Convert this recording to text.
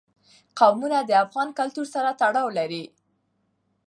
قومونه د افغان کلتور سره تړاو لري.